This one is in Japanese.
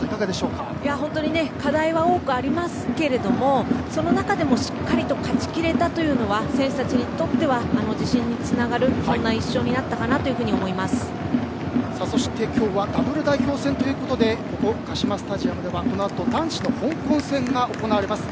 本当に課題は多くありますけれどもその中でもしっかりと勝ちきれたのは選手たちにとっては自信につながるそして、今日はダブル代表戦ということでカシマスタジムでは、このあと男子の香港戦が行われます。